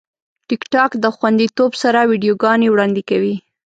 ټیکټاک د خوندیتوب سره ویډیوګانې وړاندې کوي.